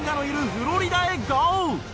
フロリダへゴー！